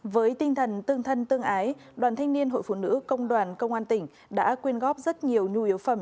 với tinh thần tương thân tương ái đoàn thanh niên hội phụ nữ công đoàn công an tỉnh đã quyên góp rất nhiều nhu yếu phẩm